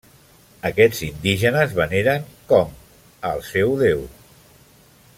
Aquests indígenes veneren Kong, el seu déu.